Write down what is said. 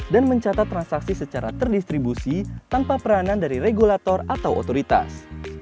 dan mencatat transaksi secara terdistribusi tanpa peranan dari regulator atau otoritas